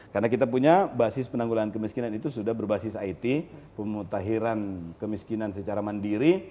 karena kita punya basis penanggulan kemiskinan itu sudah berbasis it pemutahiran kemiskinan secara mandiri